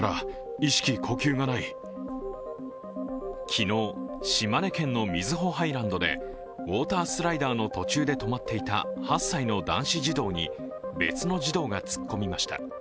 昨日、島根県の瑞穂ハイランドでウォータースライダーの途中で止まっていた８歳の男子児童に別の児童が突っ込みました。